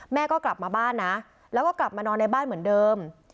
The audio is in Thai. แม่ก็กลับมาบ้านนะแล้วก็กลับมานอนในบ้านเหมือนเดิม